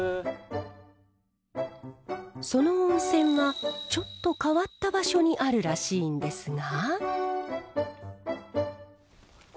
その温泉はちょっと変わった場所にあるらしいんですが。